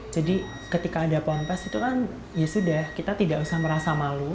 jadi ketika ada pohon pes ya sudah kita tidak usah merasa malu